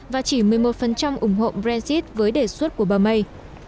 và chỉ một mươi một ủng hộ brexit với đề xuất của bà may